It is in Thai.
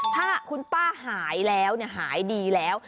ถ้าคุณป้าหายแล้วหายดีแล้ว